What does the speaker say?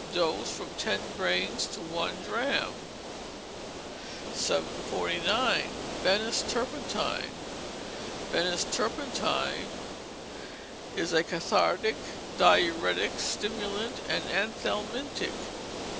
Dose, from ten grains to one drachm. 749. Venice Turpentine Venice Turpentine is cathartic, diuretic, stimulant, and anthelmintic.